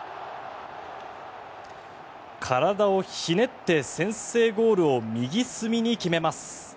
体をひねって先制ゴールを右隅に決めます。